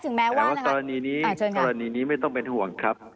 แต่ว่ากรณีนี้กรณีนี้ไม่ต้องเป็นห่วงครับ